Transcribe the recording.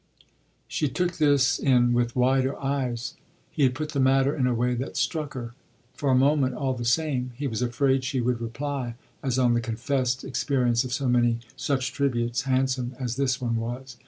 She took this in with wider eyes: he had put the matter in a way that struck her. For a moment, all the same, he was afraid she would reply as on the confessed experience of so many such tributes, handsome as this one was.